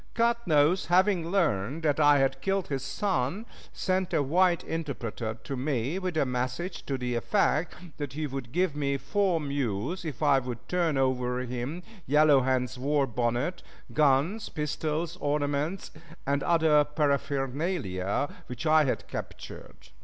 Cut Nose having learned that I had killed his son, sent a white interpreter to me with a message to the effect that he would give me four mules if I would turn over to him Yellow Hand's war bonnet, guns, pistols, ornaments, and other paraphernalia which I had captured.